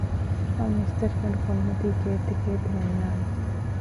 ފަން އިސްތަށިގަނޑު ކޮނޑުމަތީ ކޭއްތި ކޭއްތި އޮންނާނެ